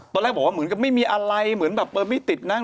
ตอนแรกบอกว่าเหมือนกับไม่มีอะไรเหมือนแบบเออไม่ติดนะ